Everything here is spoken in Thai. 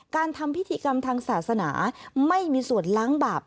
การทำพิธีกรรมทางศาสนาไม่มีส่วนล้างบาป